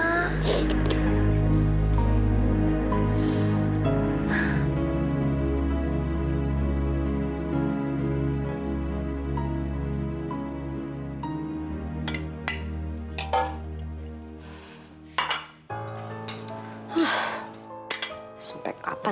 sampai kapan aku kerja kayak gini